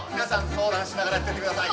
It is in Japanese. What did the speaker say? そうだんしながらやってってください！